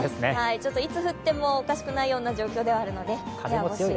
いつ降ってもおかしくないような状況なので部屋干し。